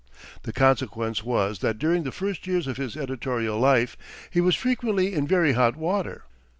The consequence was that during the first years of his editorial life he was frequently in very hot water.